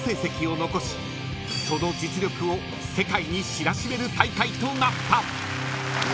［その実力を世界に知らしめる大会となった］